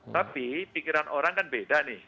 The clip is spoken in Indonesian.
tapi pikiran orang kan beda nih